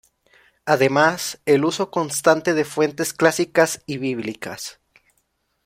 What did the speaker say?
Además el uso constante de fuentes clásicas y bíblicas.